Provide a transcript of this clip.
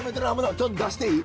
ちょっと出していい？